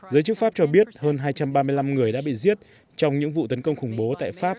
giới chức pháp cho biết hơn hai trăm ba mươi năm người đã bị giết trong những vụ tấn công khủng bố tại pháp